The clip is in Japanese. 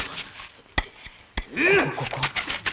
ここ。